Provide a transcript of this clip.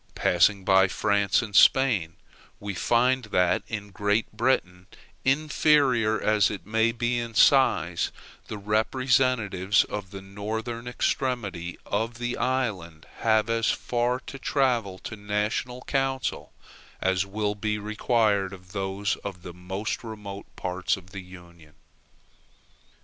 Passing by France and Spain, we find that in Great Britain, inferior as it may be in size, the representatives of the northern extremity of the island have as far to travel to the national council as will be required of those of the most remote parts of the Union.